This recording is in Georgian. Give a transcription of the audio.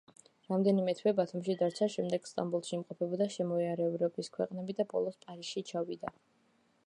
რამდენიმე თვე ბათუმში დარჩა, შემდეგ სტამბოლში იმყოფებოდა, შემოიარა ევროპის ქვეყნები და ბოლოს პარიზში ჩავიდა.